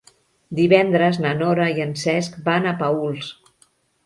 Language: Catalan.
Divendres na Nora i en Cesc van a Paüls.